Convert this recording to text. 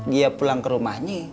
dia pulang ke rumahnya